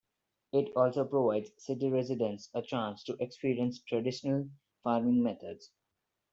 It also provides city residents a chance to experience traditional farming methods.